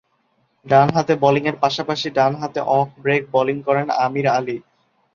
ডানহাতে ব্যাটিংয়ের পাশাপাশি ডানহাতে অফ ব্রেক বোলিং করেন আমির আলী।